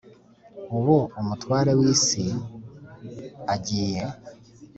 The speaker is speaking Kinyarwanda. ubu umutware w iyi si b agiye